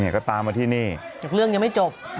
ก็ตามมาที่นี่จากเรื่องยังไม่จบ